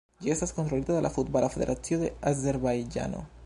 Ĝi estas kontrolita de la Futbala Federacio de Azerbajĝano.